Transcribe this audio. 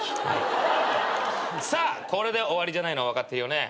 さあこれで終わりじゃないのは分かってるよね。